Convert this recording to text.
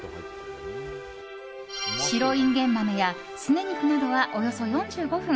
白インゲン豆や、すね肉などはおよそ４５分。